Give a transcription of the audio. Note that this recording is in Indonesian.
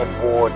asli dapat air